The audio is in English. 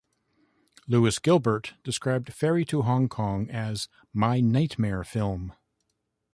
Lewis Gilbert described "Ferry to Hong Kong" as "my nightmare film".